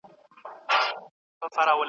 له احساساتو څخه بايد ډډه وسي.